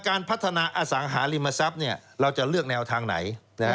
การพัฒนาอสังหาริมทรัพย์เราจะเลือกแนวทางไหน